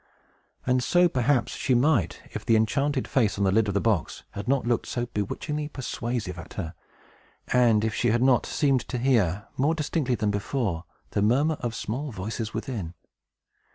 And so perhaps she might, if the enchanted face on the lid of the box had not looked so bewitchingly persuasive at her, and if she had not seemed to hear, more distinctly than before, the murmur of small voices within.